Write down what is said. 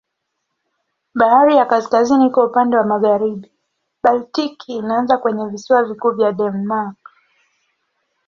Bahari ya Kaskazini iko upande wa magharibi, Baltiki inaanza kwenye visiwa vikuu vya Denmark.